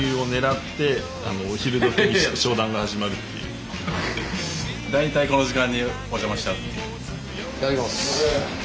いただきます。